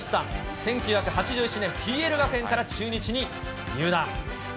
１９８７年、ＰＬ学園から中日に入団。